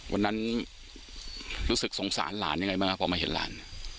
วันนั้นรู้สึกสงสารหลานยังไงบ้างครับพอมาเห็นหลาน